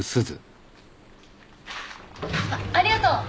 あっありがとう。